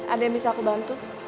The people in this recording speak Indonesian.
ada yang bisa aku bantu